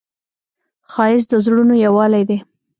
ښایست د زړونو یووالی دی